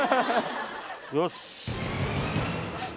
よし！